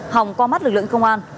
hòng qua mắt lực lượng công an